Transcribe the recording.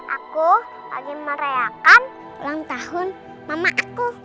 aku lagi merayakan ulang tahun mama aku